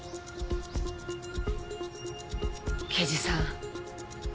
刑事さん。